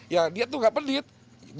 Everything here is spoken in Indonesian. ya dia itu tidak perlu dianggarkan